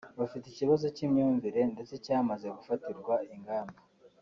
bafite ikibazo cy’imyumvire ndetse cyamaze gufatirwa ingamba